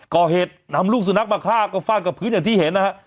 ก่อเหตุนำลูกสุนัขมาฆ่าก็ฟาดกับพื้นอย่างที่เห็นนะฮะ